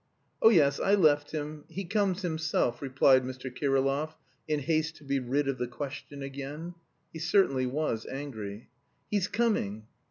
"Oh, yes, I left him... he comes himself," replied Mr. Kirillov, in haste to be rid of the question again. He certainly was angry. "He's coming!